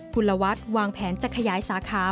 คุณละวัดวางแผนจะขยายสาขา